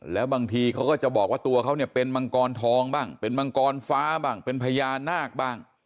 แล้วบางทีเขาก็จะบอกว่าตัวเขาเนี่ยเป็นมังกรทองบ้างเป็นมังกรฟ้าบ้างเป็นพญานาคบ้าง